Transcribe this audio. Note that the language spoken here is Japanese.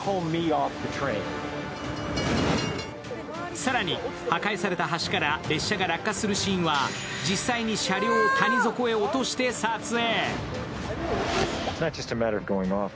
更に破壊された橋から列車が落下するシーンは実際に車両を谷底へ落として撮影。